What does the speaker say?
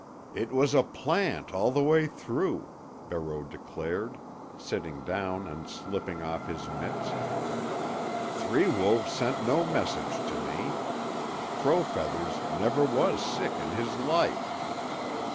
"It was a plant all the way through," Barreau declared, sitting down and slipping off his mitts. "Three Wolves sent no message to me. Crow Feathers never was sick in his life."